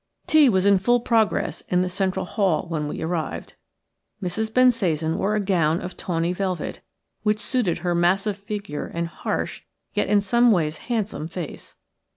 Tea was in full progress in the central hall when we arrived. Mrs. Bensasan wore a gown of tawny velvet, which suited her massive figure and harsh, yet in some ways handsome, face.